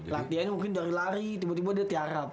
latihan mungkin dari lari tiba tiba dia tiarap